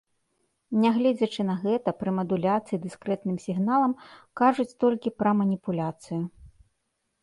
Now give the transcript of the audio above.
Нягледзячы на гэта, пры мадуляцыі дыскрэтным сігналам кажуць толькі пра маніпуляцыю.